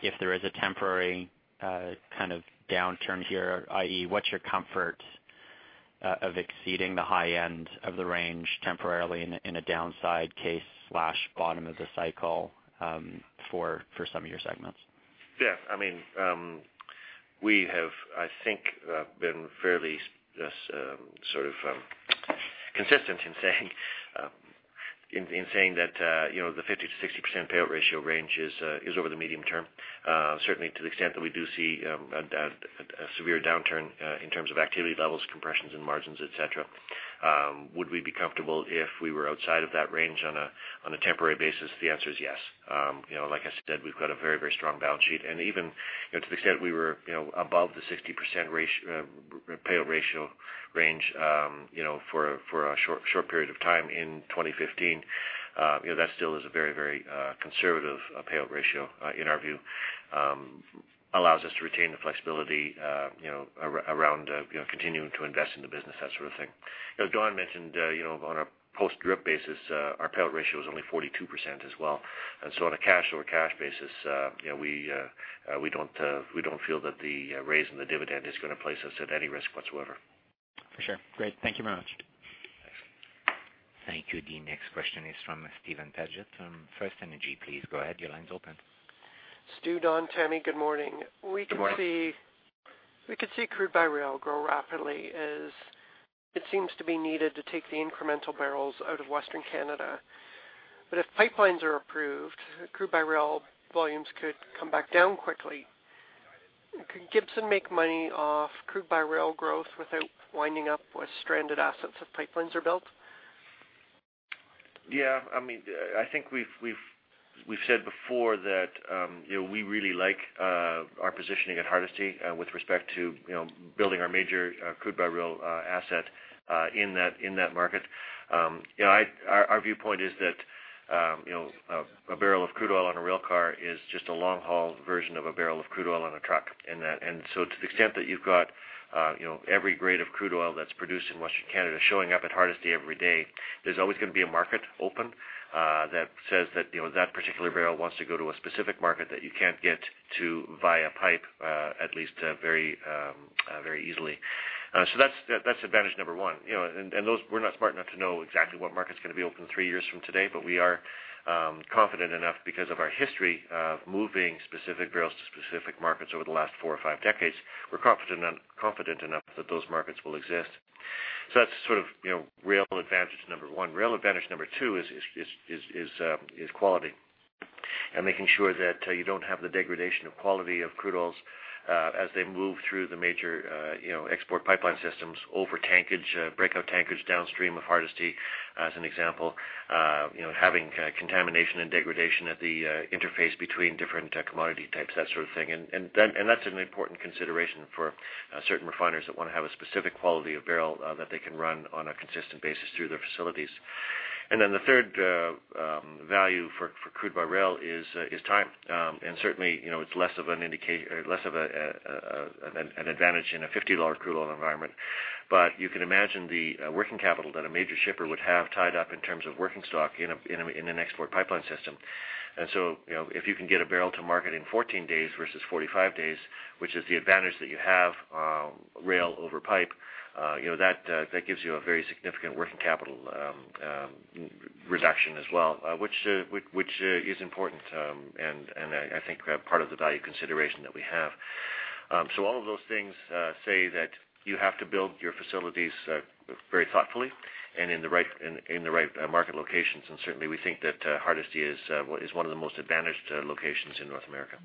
If there is a temporary kind of downturn here, i.e., what's your comfort of exceeding the high end of the range temporarily in a downside case/bottom of the cycle for some of your segments? Yeah. We have, I think, been fairly just sort of consistent in saying that the 50%-60% payout ratio range is over the medium term. Certainly to the extent that we do see a severe downturn in terms of activity levels, compressions and margins, et cetera. Would we be comfortable if we were outside of that range on a temporary basis? The answer is yes. Like I said, we've got a very strong balance sheet, and even to the extent we were above the 60% payout ratio range for a short period of time in 2015, that still is a very conservative payout ratio in our view. Allows us to retain the flexibility around continuing to invest in the business, that sort of thing. As Don mentioned, on a post-DRIP basis, our payout ratio is only 42% as well. On a cash-over-cash basis, we don't feel that the raise in the dividend is going to place us at any risk whatsoever. For sure. Great. Thank you very much. Thank you. The next question is from Steven Paget from FirstEnergy. Please go ahead. Your line's open. Stew, Don, Tammi, good morning. Good morning. We could see crude by rail grow rapidly as it seems to be needed to take the incremental barrels out of Western Canada. If pipelines are approved, crude by rail volumes could come back down quickly. Could Gibson make money off crude by rail growth without winding up with stranded assets if pipelines are built? Yeah. I think we've said before that we really like our positioning at Hardisty with respect to building our major crude by rail asset in that market. Our viewpoint is that, a barrel of crude oil on a rail car is just a long-haul version of a barrel of crude oil on a truck. To the extent that you've got every grade of crude oil that's produced in Western Canada showing up at Hardisty every day, there's always going to be a market open, that says that particular barrel wants to go to a specific market that you can't get to via pipe, at least, very easily. That's advantage number one. Those, we're not smart enough to know exactly what market's going to be open three years from today, but we are confident enough because of our history of moving specific barrels to specific markets over the last four or five decades. We're confident enough that those markets will exist. That's sort of rail advantage number one. Rail advantage number two is quality. Making sure that you don't have the degradation of quality of crude oils, as they move through the major export pipeline systems over tankage, breakout tankage downstream of Hardisty, as an example, having contamination and degradation at the interface between different commodity types, that sort of thing. That's an important consideration for certain refiners that want to have a specific quality of barrel, that they can run on a consistent basis through their facilities. The third value for crude by rail is time. Certainly, it's less of an advantage in a $50 crude oil environment. You can imagine the working capital that a major shipper would have tied up in terms of working stock in an export pipeline system. If you can get a barrel to market in 14 days versus 45 days, which is the advantage that you have, rail over pipe, that gives you a very significant working capital reduction as well. Which is important, and I think part of the value consideration that we have. All of those things say that you have to build your facilities very thoughtfully and in the right market locations. Certainly, we think that Hardisty is one of the most advantaged locations in North America.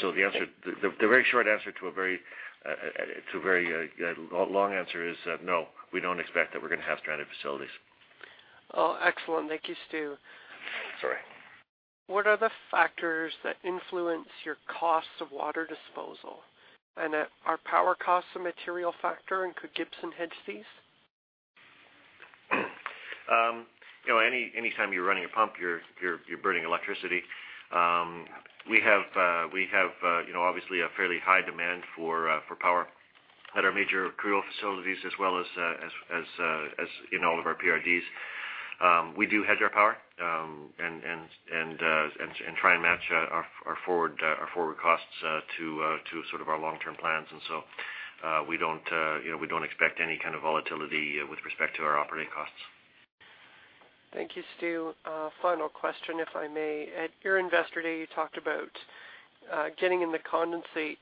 The very short answer to a very long answer is, no, we don't expect that we're going to have stranded facilities. Oh, excellent. Thank you, Stew. Sure. What are the factors that influence your cost of water disposal? Are power costs a material factor, and could Gibson hedge these? Any time you're running a pump, you're burning electricity. We have obviously a fairly high demand for power at our major crude oil facilities as well as in all of our PRDs. We do hedge our power, and try and match our forward costs to sort of our long-term plans. We don't expect any kind of volatility with respect to our operating costs. Thank you, Stew. Final question, if I may. At your Investor Day, you talked about getting in the condensate,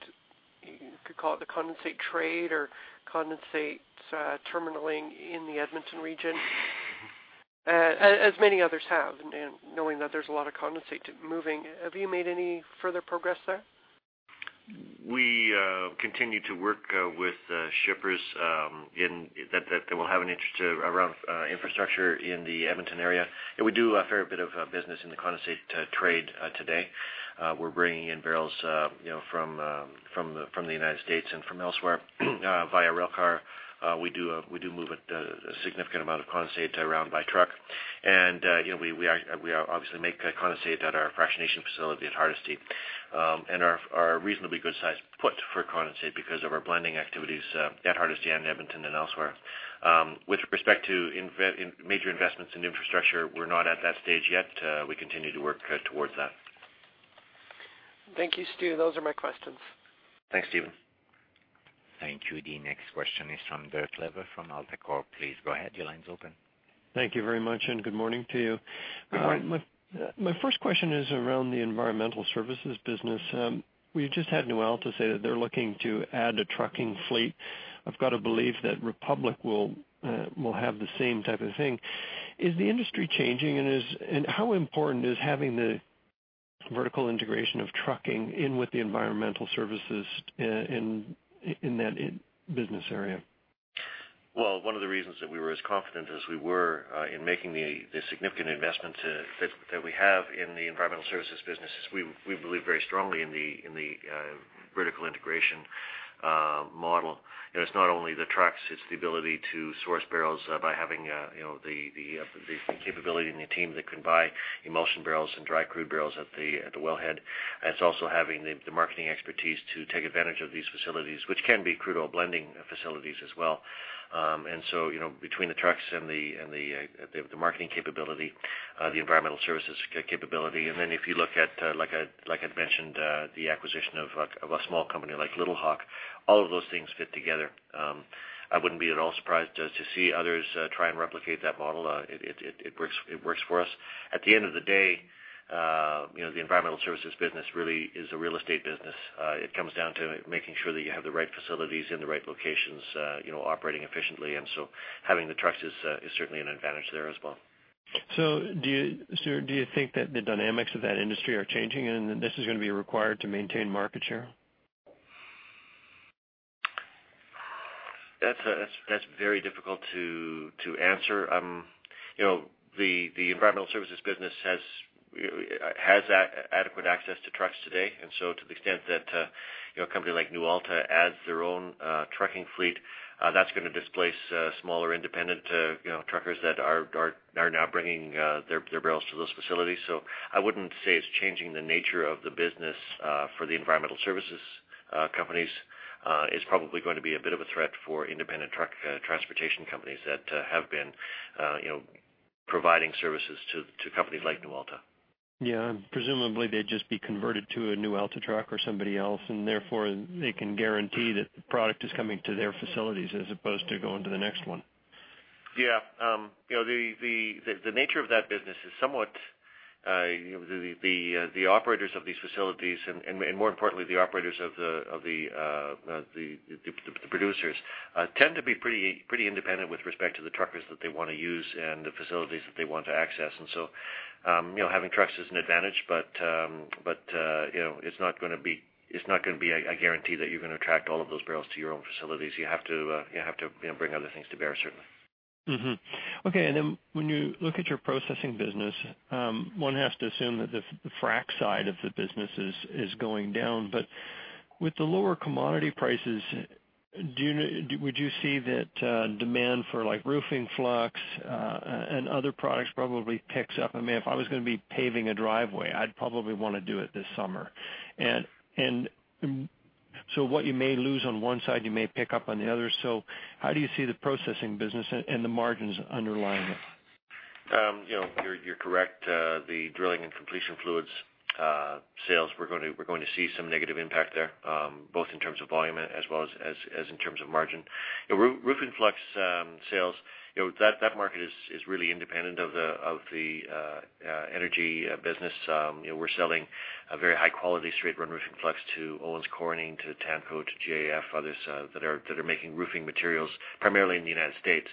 you could call it the condensate trade or condensate terminaling in the Edmonton region, as many others have, and knowing that there's a lot of condensate moving. Have you made any further progress there? We continue to work with shippers that will have an interest in infrastructure around the Edmonton area. We do a fair bit of business in the condensate trade today. We're bringing in barrels from the United States and from elsewhere via rail car. We do move a significant amount of condensate around by truck. We obviously make condensate at our fractionation facility at Hardisty. Our reasonably good-sized footprint for condensate because of our blending activities at Hardisty and Edmonton and elsewhere. With respect to major investments in infrastructure, we're not at that stage yet. We continue to work towards that. Thank you, Stew. Those are my questions. Thanks, Steven. Thank you. The next question is from Dirk Lever from AltaCorp. Please go ahead. Your line's open. Thank you very much, and good morning to you. Good morning. My first question is around the environmental services business. We've just had Noel say that they're looking to add a trucking fleet. I've got to believe that Republic will have the same type of thing. Is the industry changing, and how important is having the vertical integration of trucking in with the environmental services in that business area? Well, one of the reasons that we were as confident as we were, in making the significant investment that we have in the environmental services business is we believe very strongly in the vertical integration model. It's not only the trucks, it's the ability to source barrels by having the capability and the team that can buy emulsion barrels and dry crude barrels at the wellhead. It's also having the marketing expertise to take advantage of these facilities, which can be crude oil blending facilities as well. Between the trucks and the marketing capability, the environmental services capability, if you look at, like I'd mentioned, the acquisition of a small company like Littlehawk, all of those things fit together. I wouldn't be at all surprised to see others try and replicate that model. It works for us. At the end of the day, the environmental services business really is a real estate business. It comes down to making sure that you have the right facilities in the right locations, operating efficiently. Having the trucks is certainly an advantage there as well. Stew, do you think that the dynamics of that industry are changing, and this is going to be required to maintain market share? That's very difficult to answer. The environmental services business has adequate access to trucks today. To the extent that a company like Newalta adds their own trucking fleet, that's going to displace smaller, independent truckers that are now bringing their barrels to those facilities. I wouldn't say it's changing the nature of the business for the environmental services companies. It's probably going to be a bit of a threat for independent truck transportation companies that have been providing services to companies like Newalta. Yeah. Presumably, they'd just be converted to a Newalta truck or somebody else, and therefore they can guarantee that the product is coming to their facilities as opposed to going to the next one. Yeah. The nature of that business is somewhat, the operators of these facilities, and more importantly, the operators of the producers, tend to be pretty independent with respect to the truckers that they want to use and the facilities that they want to access. Having trucks is an advantage, but it's not going to be a guarantee that you're going to attract all of those barrels to your own facilities. You have to bring other things to bear, certainly. Mm-hmm. Okay. When you look at your processing business, one has to assume that the frack side of the business is going down. With the lower commodity prices, would you see that demand for roofing flux and other products probably picks up? If I was going to be paving a driveway, I'd probably want to do it this summer. What you may lose on one side, you may pick up on the other. How do you see the processing business and the margins underlying it? You're correct. The drilling and completion fluids sales, we're going to see some negative impact there, both in terms of volume as well as in terms of margin. Roofing flux sales, that market is really independent of the energy business. We're selling a very high-quality straight run roofing flux to Owens Corning, to TAMKO, to GAF, others that are making roofing materials primarily in the United States.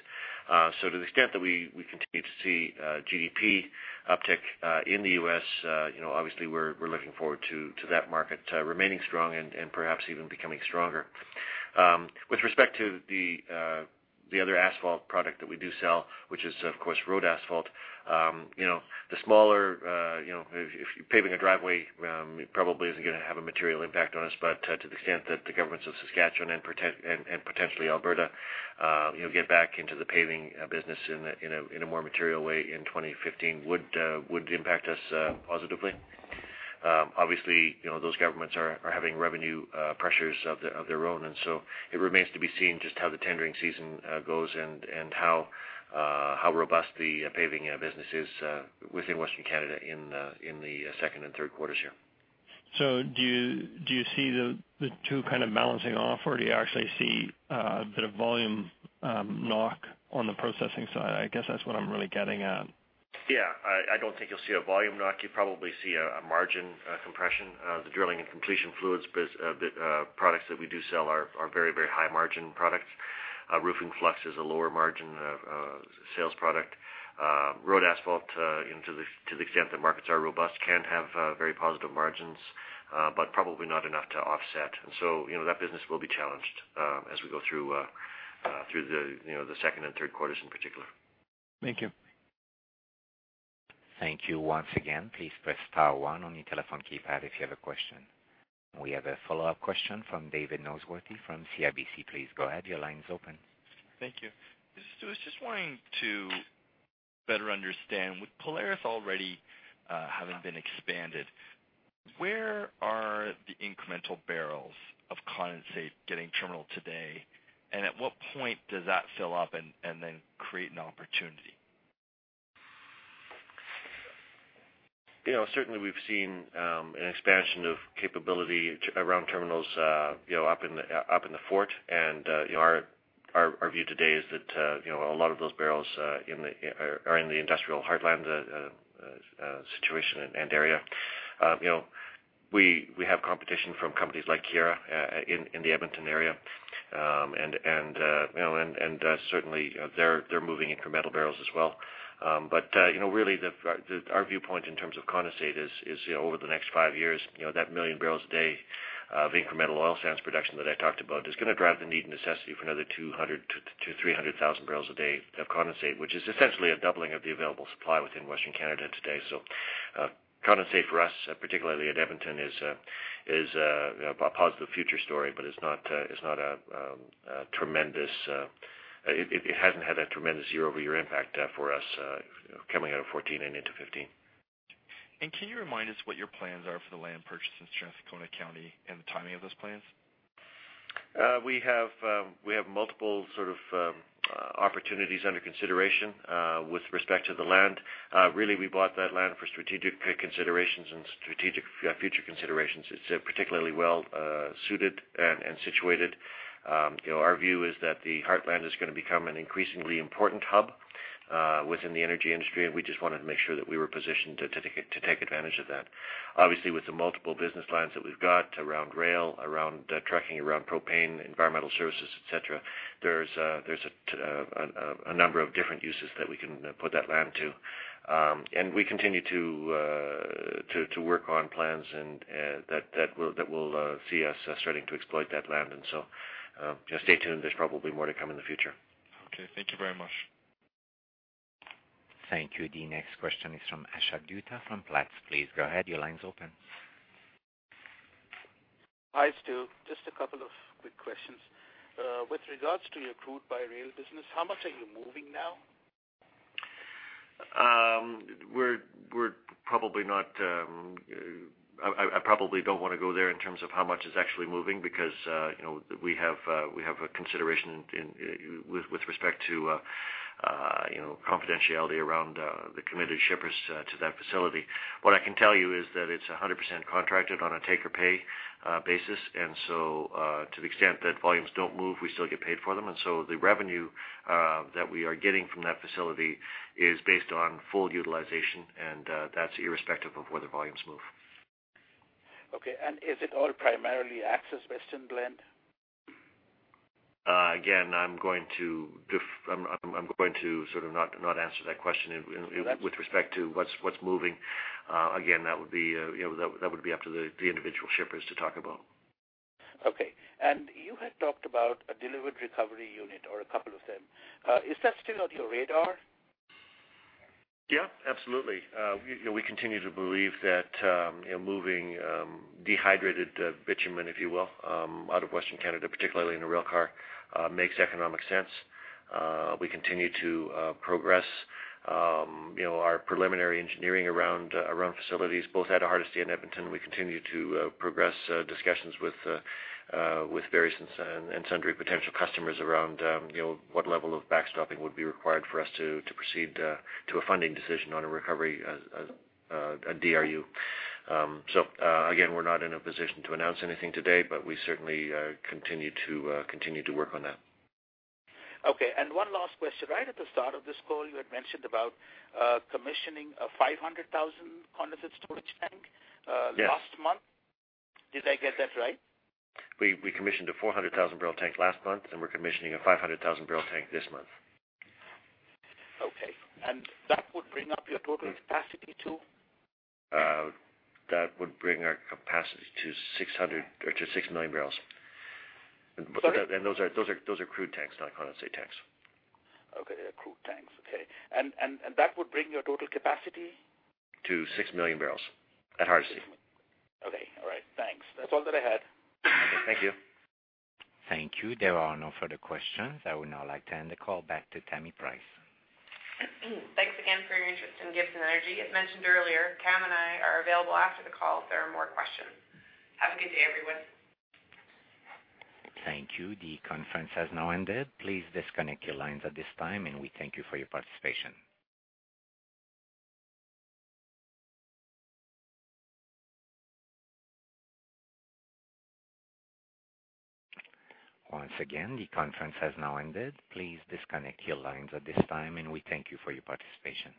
To the extent that we continue to see GDP uptick in the U.S., obviously, we're looking forward to that market remaining strong and perhaps even becoming stronger. With respect to the other asphalt product that we do sell, which is, of course, road asphalt. If you're paving a driveway, it probably isn't going to have a material impact on us. To the extent that the governments of Saskatchewan and potentially Alberta, get back into the paving business in a more material way in 2015 would impact us positively. Obviously, those governments are having revenue pressures of their own. It remains to be seen just how the tendering season goes and how robust the paving business is within Western Canada in the second and third quarters here. Do you see the two balancing off, or do you actually see a bit of volume knock on the processing side? I guess that's what I'm really getting at. Yeah. I don't think you'll see a volume knock. You'll probably see a margin compression. The drilling and completion fluids products that we do sell are very high-margin products. Roofing flux is a lower margin sales product. Road asphalt, to the extent that markets are robust, can have very positive margins, but probably not enough to offset. That business will be challenged as we go through the second and third quarters in particular. Thank you. Thank you once again. Please press star one on your telephone keypad if you have a question. We have a follow-up question from David Noseworthy from CIBC. Please go ahead. Your line's open. Thank you. Stew, just wanting to better understand, with Polaris already having been expanded, where are the incremental barrels of condensate getting terminaled today, and at what point does that fill up and then create an opportunity? Certainly, we've seen an expansion of capability around terminals up in the Fort. Our view today is that a lot of those barrels are in the Industrial Heartland situation and area. We have competition from companies like Keyera in the Edmonton area. Certainly, they're moving incremental barrels as well. Really, our viewpoint in terms of condensate is over the next five years, that 1 MMbpd of incremental oil sands production that I talked about is going to drive the need and necessity for another 200,000 bbl-300,000 bbl a day of condensate, which is essentially a doubling of the available supply within Western Canada today. Condensate for us, particularly at Edmonton, is a positive future story, but it hasn't had a tremendous year-over-year impact for us coming out of 2014 and into 2015. Can you remind us what your plans are for the land purchase in Strathcona County and the timing of those plans? We have multiple sort of opportunities under consideration with respect to the land. Really, we bought that land for strategic considerations and strategic future considerations. It's particularly well-suited and situated. Our view is that the Heartland is going to become an increasingly important hub within the energy industry, and we just wanted to make sure that we were positioned to take advantage of that. Obviously, with the multiple business lines that we've got around rail, around trucking, around propane, environmental services, et cetera, there's a number of different uses that we can put that land to. We continue to work on plans that will see us starting to exploit that land. Just stay tuned. There's probably more to come in the future. Okay. Thank you very much. Thank you. The next question is from Ashok Dutta from Platts. Please go ahead. Your line's open. Hi, Stew. Just a couple of quick questions. With regards to your crude-by-rail business, how much are you moving now? I probably don't want to go there in terms of how much is actually moving because we have a consideration with respect to confidentiality around the committed shippers to that facility. What I can tell you is that it's 100% contracted on a take-or-pay basis. To the extent that volumes don't move, we still get paid for them. The revenue that we are getting from that facility is based on full utilization, and that's irrespective of whether volumes move. Okay. Is it all primarily Access Western Blend? Again, I'm going to sort of not answer that question with respect to what's moving. Again, that would be up to the individual shippers to talk about. Okay. You had talked about a diluent recovery unit or a couple of them. Is that still on your radar? Yeah, absolutely. We continue to believe that moving dehydrated bitumen, if you will, out of Western Canada, particularly in a rail car, makes economic sense. We continue to progress our preliminary engineering around facilities both out of Hardisty and Edmonton. We continue to progress discussions with various and sundry potential customers around what level of backstopping would be required for us to proceed to a funding decision on a recovery, a DRU. Again, we're not in a position to announce anything today, but we certainly continue to work on that. Okay. One last question. Right at the start of this call, you had mentioned about commissioning a 500,000 condensate storage tank last month. Yes. Did I get that right? We commissioned a 400,000-bbl tank last month, and we're commissioning a 500,000-bbl tank this month. Okay. That would bring up your total capacity to? That would bring our capacity to 6 million bbl. Sorry. Those are crude tanks, not condensate tanks. Okay. They're crude tanks. Okay. That would bring your total capacity? To 6 million bbl at Hardisty. Okay. All right. Thanks. That's all that I had. Okay. Thank you. Thank you. There are no further questions. I would now like to hand the call back to Tammi Price. Thanks again for your interest in Gibson Energy. As mentioned earlier, Cam and I are available after the call if there are more questions. Have a good day, everyone. Thank you. The conference has now ended. Please disconnect your lines at this time, and we thank you for your participation. Once again, the conference has now ended. Please disconnect your lines at this time, and we thank you for your participation.